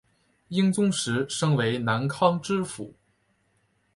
英宗时升为南康知府。